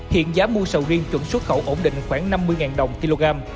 hiện giá mua sầu riêng chuẩn xuất khẩu ổn định khoảng năm mươi đồng kg